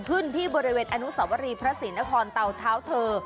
ขึ้นที่บริเวณอนุสวรีพระศิลปนครเตาเท้าเธอ